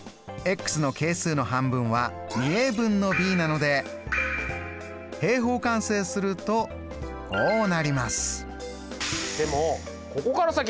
の係数の半分はなので平方完成するとこうなります。